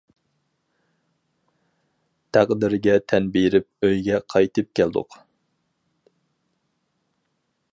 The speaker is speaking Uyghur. تەقدىرگە تەن بېرىپ، ئۆيگە قايتىپ كەلدۇق.